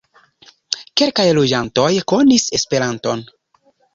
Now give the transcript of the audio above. Kelkaj loĝantoj konis Esperanton.